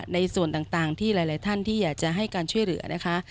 ในส่วนต่างที่หลายท่านที่อยากจะให้การช่วยเหลือนะคะ